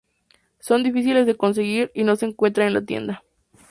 Son difíciles de conseguir y no se encuentran en la tienda.